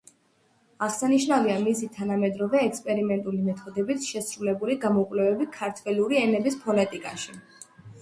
აღსანიშნავია მისი თანამედროვე ექსპერიმენტული მეთოდებით შესრულებული გამოკვლევები ქართველური ენების ფონეტიკაში.